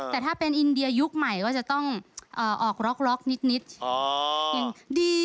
แต่ถ้าเป็นอินเดียยุคใหม่ก็จะต้องออกล็อกนิด